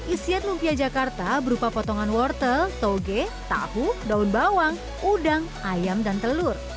isian lumpia jakarta berupa potongan wortel toge tahu daun bawang udang ayam dan telur